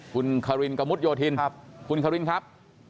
คุณคารินกระมุดโยธินคุณคารินครับ